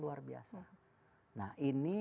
luar biasa nah ini